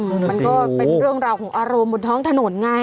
มันก็เป็นเรื่องราวของอารมณ์บนท้องถนนไง